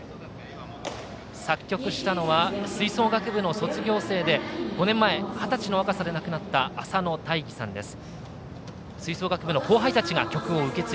作曲したのは吹奏楽部の卒業生で５年前二十歳の若さで亡くなった浅野大義さんです。